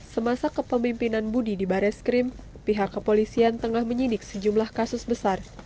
semasa kepemimpinan budi di barreskrim pihak kepolisian tengah menyidik sejumlah kasus besar